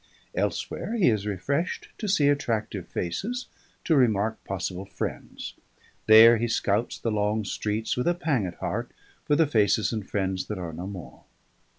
Elsewhere he is refreshed to see attractive faces, to remark possible friends; there he scouts the long streets, with a pang at heart, for the faces and friends that are no more.